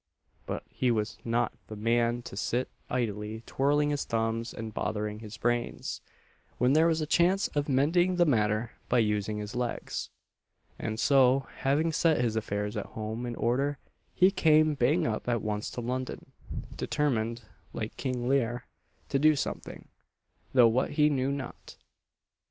But he was not the man to sit idly twirling his thumbs and bothering his brains, when there was a chance of mending the matter by using his legs; and so, having set his affairs at home in order, he came bang up at once to London, determined (like King Lear) to do something though what he knew not.